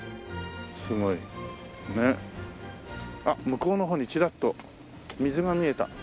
あっ向こうの方にチラッと水が見えた。